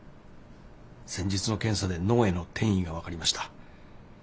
先日の検査で脳への転移が分かりました。